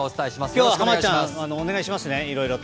今日は濱ちゃんお願いしますねいろいろと。